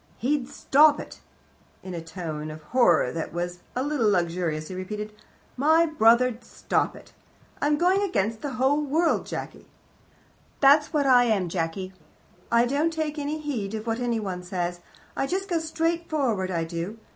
"He'd stop it." In a tone of horror, that was a little luxurious, he repeated: "My brother'd stop it. I'm going against the whole world, Jacky. "That's what I am, Jacky. I don't take any heed of what anyone says. I just go straight forward, I do.